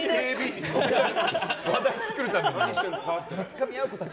話題を作るために。